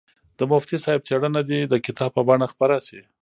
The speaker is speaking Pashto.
د مفتي صاحب څېړنه دې د کتاب په بڼه خپره شي.